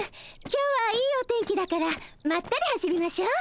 今日はいいお天気だからまったり走りましょう。